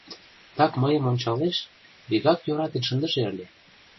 Так мыйым ончалеш — вигак йӧратен шындыже ыле.